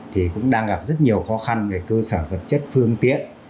thì cũng đang gặp rất nhiều khó khăn về cơ sở vật chất phương tiện